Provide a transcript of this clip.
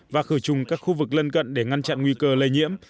và khử trùng các khu vực lân cận để ngăn chặn nguy cơ lây nhiễm